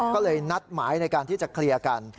ก็เลยนัดหมายในการที่จะเคลียร์กัน